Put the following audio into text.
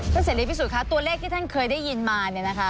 เจ้าเศรษฐีพิสูจน์คะตัวเลขที่ท่านเคยได้ยินมา